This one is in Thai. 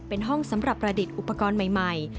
เป็นห้องสำหรับประดิษฐ์อุปกรณ์ใหม่